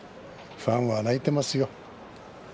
ファンは泣いていますよ。